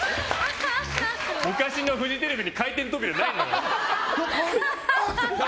昔のフジテレビに回転扉ないんだから。